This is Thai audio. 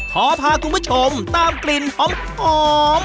ขอพาคุณผู้ชมตามกลิ่นหอม